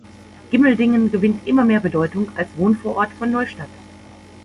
Gimmeldingen gewinnt immer mehr Bedeutung als Wohnvorort von Neustadt.